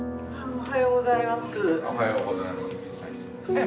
おはようございます。